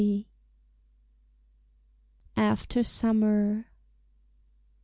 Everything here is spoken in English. AFTER SUMMER.